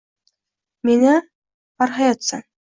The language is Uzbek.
— Meni, barhayotsan